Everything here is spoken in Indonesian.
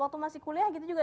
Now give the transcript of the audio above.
waktu masih kuliah gitu juga